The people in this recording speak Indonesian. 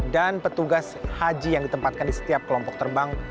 dan petugas haji yang ditempatkan di setiap kelompok terbang